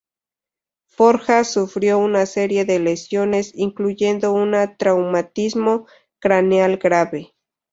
Forja sufrió una serie de lesiones, incluyendo un traumatismo craneal grave.